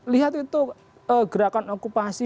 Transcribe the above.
lihat itu gerakan okupasi